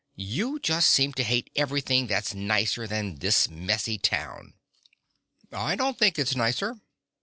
"You just seem to hate everything that's nicer than this messy town " "I don't think it's nicer.